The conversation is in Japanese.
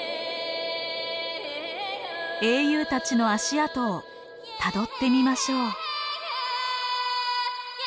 英雄たちの足跡をたどってみましょう。